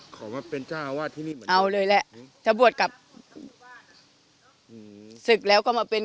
ขอมาเป็นชาวาทที่นี่เอาเลยแหละถ้าบวชกลับสึกแล้วก็มาเป็น